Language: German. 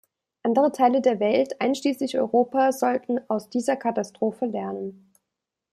Andere Teile der Welt, einschließlich Europa, sollten aus dieser Katastrophe lernen.